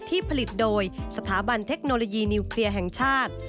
ที่ผลิตโดยสถาบันเทคโนโลยีนิวเคลียร์แห่งชาติ